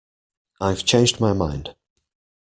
I’ve changed my mind